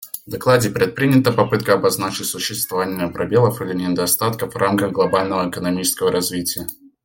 В докладе предпринята попытка обозначить существование пробелов или недостатков в рамках глобального экономического развития.